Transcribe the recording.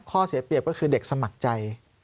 เสียเปรียบก็คือเด็กสมัครใจ